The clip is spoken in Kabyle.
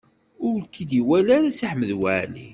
Ur k-id-iwala ara Si Ḥmed Waɛli.